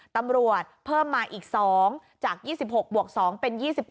ตำรวจเพิ่มมาอีก๒จาก๒๖บวก๒เป็น๒๘